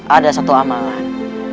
ada satu amalan